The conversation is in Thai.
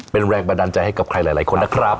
เป็นแรงบันดาลใจให้กับใครหลายคนนะครับ